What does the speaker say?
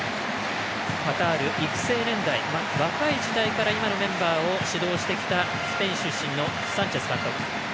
カタール育成年代、若い時代から今のメンバーを指導してきたスペイン出身のサンチェス監督。